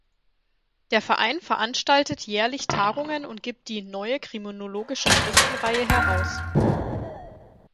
Der Verein veranstaltet jährlich Tagungen und gibt die "Neue Kriminologische Schriftenreihe" heraus.